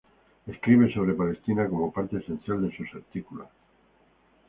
Escribe sobre Palestina como parte esencial de sus artículos.